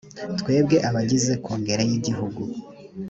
twebwe abagize kongere y igihugu